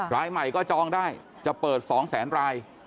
รายใหม่ก็จองได้จะเปิด๒แสนราย